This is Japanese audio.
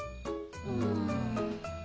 うん。